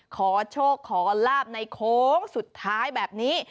ขอโชคขอลาบในโค้งสุดท้ายแบบนี้